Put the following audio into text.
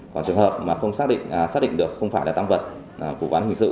còn trường hợp mà không xác định được không phải là tăng vật của quán hình sự